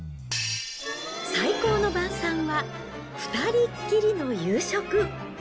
最高の晩さんは２人っきりの夕食。